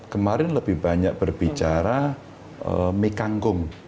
kemarin lebih banyak berbicara mikangkung